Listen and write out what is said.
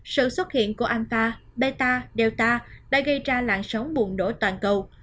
sự xuất hiện của alpha beta delta đã gây ra lạng sóng buồn nổ toàn cầu